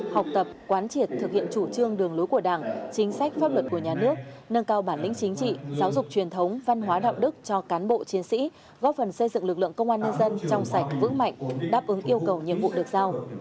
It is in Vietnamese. học tập quán triệt thực hiện chủ trương đường lối của đảng chính sách pháp luật của nhà nước nâng cao bản lĩnh chính trị giáo dục truyền thống văn hóa đạo đức cho cán bộ chiến sĩ góp phần xây dựng lực lượng công an nhân dân trong sạch vững mạnh đáp ứng yêu cầu nhiệm vụ được giao